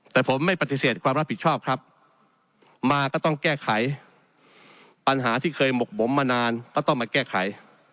แต่ผมไม่ปฏิเสธความรับผิดชอบครับมาก็ต้องแก้ไขปัญหาที่เคยหมกบมมานานก็ต้องมาแก้ไข